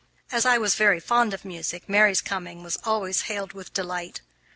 As I was very fond of music, Mary's coming was always hailed with delight.